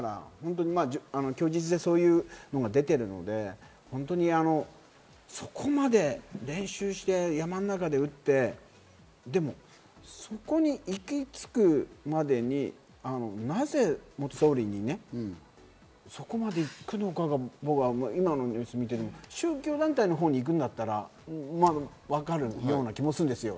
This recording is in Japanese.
供述でそういうのが出ているので、そこまで練習して山の中で撃って、そこに行き着くまでになぜ元総理にそこまで行くのかが、今のニュースを見ていても宗教団体のほうに行くんだったらわかるような気もするんですよ。